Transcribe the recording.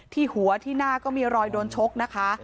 ที่หัวที่หน้าก็มีรอยโดนชกนะคะ